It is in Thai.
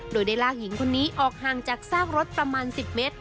โดยได้ลากหญิงคนนี้ออกห่างจากซากรถประมาณ๑๐เมตร